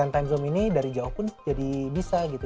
time zoom ini dari jauh pun jadi bisa gitu